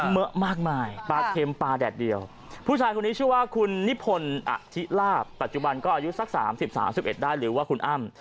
เมอะมากมายปลาเค็มปลาแดดเดียวผู้ชายคนนี้ชื่อว่าคุณนิพนธ์อธิลาบปัจจุบันก็อายุสัก๓๐๓๑ได้หรือว่าคุณอ้ำ